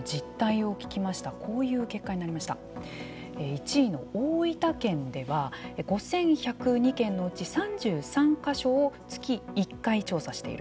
１位の大分県では５，１０２件のうち３３か所を月１回調査している。